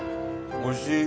おいしい！